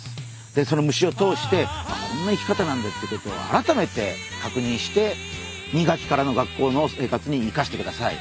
でその虫を通してあこんな生き方なんだってことを改めてかくにんして２学期からの学校の生活に生かしてください。